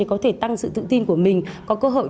có thể tăng sự tự tin của mình có cơ hội